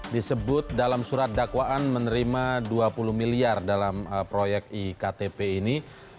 disebut dalam surat dakwaan menerima dua puluh miliar dalam proyek iktp ini